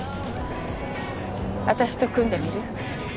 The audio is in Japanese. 私と組んでみる？